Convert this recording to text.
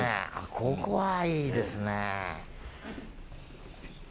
ここはいいですね。